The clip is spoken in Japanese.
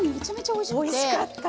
おいしかった。